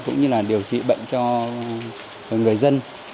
cũng như là điều trị bệnh cho người dân